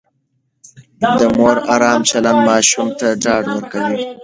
د مور ارام چلند ماشوم ته ډاډ ورکوي.